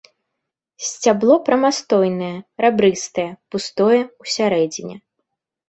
Сцябло прамастойнае, рабрыстае, пустое ў сярэдзіне.